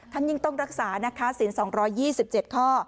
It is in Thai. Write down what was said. ยิ่งต้องรักษานะคะศีล๒๒๗ข้อ